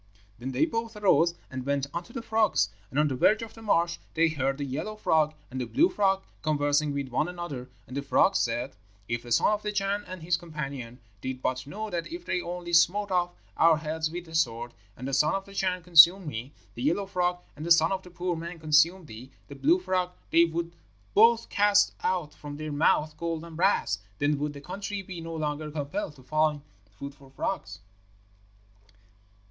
"Then they both arose and went unto the frogs; and on the verge of the marsh they heard the yellow frog and the blue frog conversing with one another. And the frogs said, 'If the son of the Chan and his companion did but know that if they only smote off our heads with the sword, and the son of the Chan consumed me, the yellow frog, and the son of the poor man consumed thee, the blue frog, they would both cast out from their mouths gold and brass, then would the country be no longer compelled to find food for frogs.'